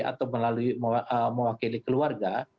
atau melalui mewakili keluarga